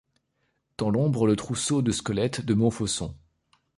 dans l’ombre le trousseau de squelettes de Montfaucon.